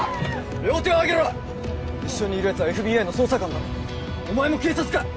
両手をあげろ一緒にいるやつはＦＢＩの捜査官だろお前も警察か？